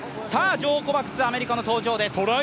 ジョー・コバクス、アメリカの登場です。